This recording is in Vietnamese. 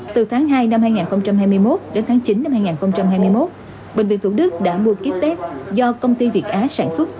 từ tháng hai năm hai nghìn hai mươi một đến tháng chín năm hai nghìn hai mươi một bệnh viện thủ đức đã mua kit test do công ty việt á sản xuất